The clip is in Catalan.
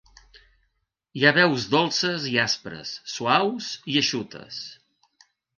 Hi ha veus dolces i aspres, suaus i eixutes.